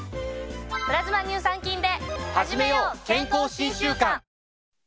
プラズマ乳酸菌で。